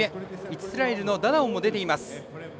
イスラエルのダダオンも出ています。